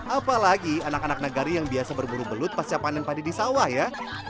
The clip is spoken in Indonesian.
apalagi anak anak negari yang biasa berburu belut pasca panen padi di sawah ya